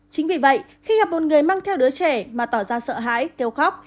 chính vì vậy khi gặp một người mang theo đứa trẻ mà tỏ ra sợ hãi kêu khóc